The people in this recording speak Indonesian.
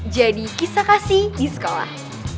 jadi kisah kasih di sekolah